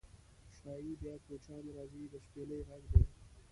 شایي بیا کوچیان راځي د شپیلۍ غږدی